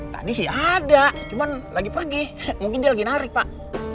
tadi sih ada cuma lagi pagi mungkin dia lagi narik pak